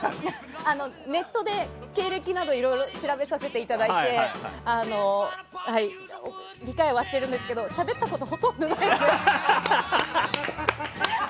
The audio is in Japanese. ネットで経歴などいろいろ調べさせていただいて理解はしているんですけどしゃべることがほとんどない。